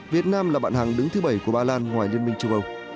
việt nam là bạn hàng đứng thứ bảy của ba lan ngoài liên minh châu âu